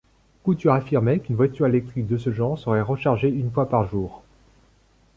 Couture affirmait qu'une voiture électrique de ce genre serait rechargée une fois par jour.